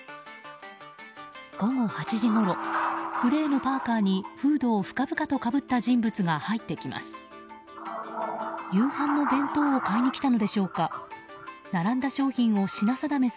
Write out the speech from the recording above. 午後８時ごろ、グレーのパーカにフードを深々とかぶった人物が入ってきます。